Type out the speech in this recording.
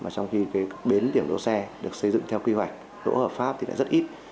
trong khi bến điểm đỗ xe được xây dựng theo kỳ hoạch đỗ hợp pháp thì lại rất ít